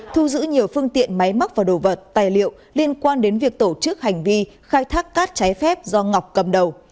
thu giữ nhiều phương tiện máy móc và đồ vật tài liệu liên quan đến việc tổ chức hành vi khai thác cát trái phép do ngọc cầm đầu